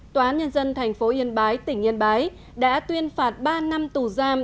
tòa nhân dân tp yên bái tỉnh yên bái đã tuyên phạt ba năm tù giam